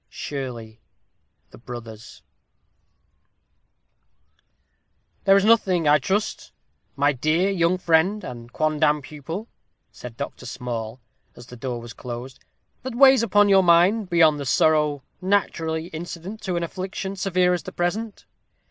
SHIRLEY: The Brothers. "There is nothing, I trust, my dear young friend, and quondam pupil," said Dr. Small, as the door was closed, "that weighs upon your mind, beyond the sorrow naturally incident to an affliction, severe as the present.